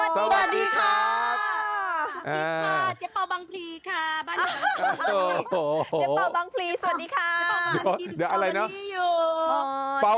สวัสดีครับ